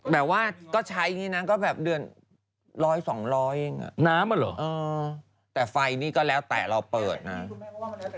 แบบว่าก็ใช้นี่นะก็แบบเดือนร้อยสองร้อยเองอ่ะน้ำอ่ะเหรอแต่ไฟนี่ก็แล้วแต่เราเปิดนะ